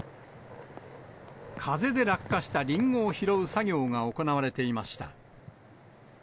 風で落下したリンゴを拾う作業が行われていました。